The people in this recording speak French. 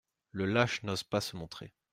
Le lâche n'ose pas se montrer.